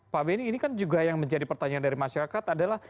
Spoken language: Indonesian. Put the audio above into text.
pak benny ini kan juga yang menjadi pertanyaan dari masyarakat adalah